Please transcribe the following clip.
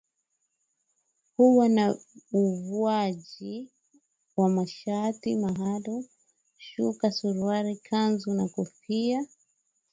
Huwa na uvaaji wa mashati maalum shuka suruali kanzu na kofia